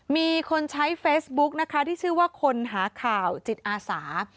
มีคนใช้เฟซบุ๊กนะคะที่ชื่อว่าคนหาข่าวจิตอาสา